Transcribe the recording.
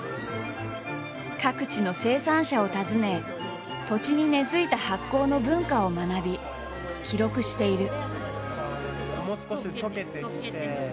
各地の生産者を訪ね土地に根づいた発酵の文化を学び記録している。